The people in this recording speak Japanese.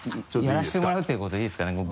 やらせてもらうっていうことでいいですかね？